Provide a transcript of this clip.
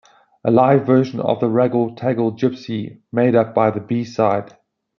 A live version of "The Raggle Taggle Gypsy" made up the B-side.